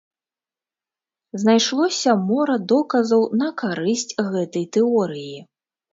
Знайшлося мора доказаў на карысць гэтай тэорыі.